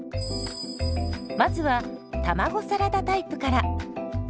まずは卵サラダタイプから。